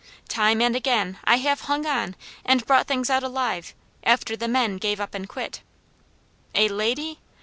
Time and again I have hung on and brought things out alive, after the men gave up and quit. A lady?